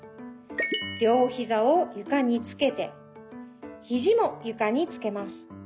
りょうひざをゆかにつけてひじもゆかにつけます。